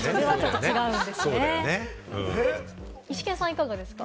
いかがですか？